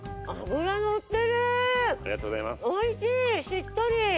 しっとり！